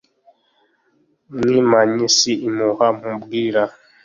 Mwimanyi si impuha nkubwira